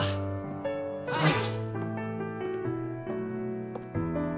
はい。